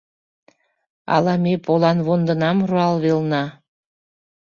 Ала ме поланвондынам руал велна